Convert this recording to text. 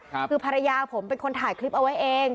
คือภรรยาผมเป็นคนถ่ายคลิปเอาไว้เอง